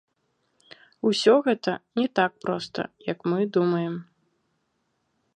Усё гэта не так проста, як мы думаем.